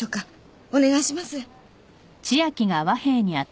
お願いします。